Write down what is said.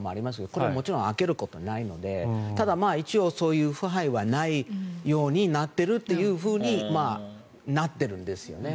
これはもちろん開けることはないのでただ、一応そういう腐敗はないようになっているっていうふうになっているんですよね。